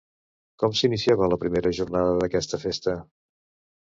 Com s'iniciava la primera jornada d'aquesta festa?